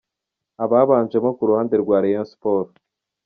Ababanjemo ku ruhande rwa Rayon Sports:.